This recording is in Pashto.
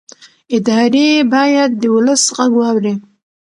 ادارې باید د ولس غږ واوري